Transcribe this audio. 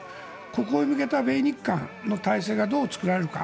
ここへ抜けた米日韓の体制がどう作られるか。